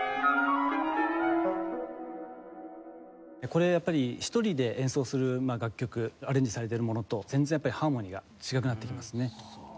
これやっぱり１人で演奏する楽曲アレンジされているものと全然やっぱりハーモニーが違くなってきますね。